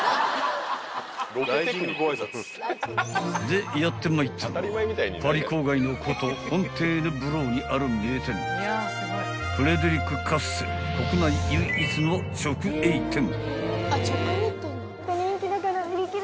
［でやってまいったのはパリ郊外の古都フォンテーヌブローにある名店フレデリック・カッセル国内唯一の直営店］